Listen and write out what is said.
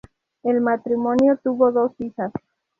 El matrimonio tuvo dos hijas.